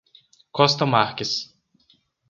Costa Marques